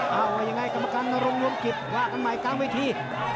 ว่ายังไงกรรมการนรมยวมกิฟต์ว่ากันใหม่กลางวิธี